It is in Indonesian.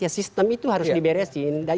ya sistem itu harus diberesin